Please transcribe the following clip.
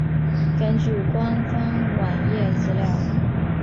根据官方网页资料。